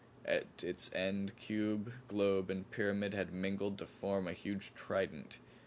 At its end cube, globe and pyramid had mingled to form a huge trident.